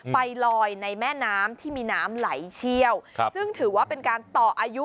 ไปลอยในแม่น้ำที่มีน้ำไหลเชี่ยวซึ่งถือว่าเป็นการต่ออายุ